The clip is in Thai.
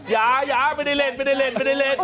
ยายาไม่ได้เล่นไม่ได้เล่นไม่ได้เล่น